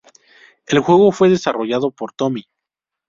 El juego fue desarrollado por Tomy.